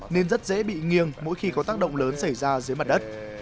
nên rất dễ bị nghiêng mỗi khi có tác động lớn xảy ra dưới mặt đất